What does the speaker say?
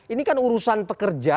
ini kan urusan pekerja